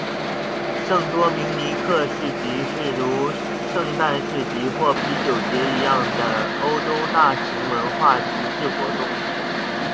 圣多明尼克市集是如圣诞市集或啤酒节一样的欧洲大型文化集市活动。